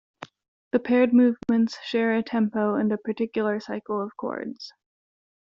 The paired movements share a tempo and a particular cycle of chords.